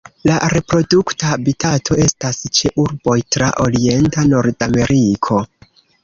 La reprodukta habitato estas ĉe urboj tra orienta Nordameriko.